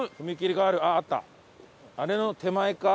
あれの手前か。